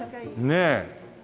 ねえ。